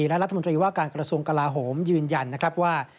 และรัฐมนตรีว่าการกรสวงกราโหมยืนยันว่า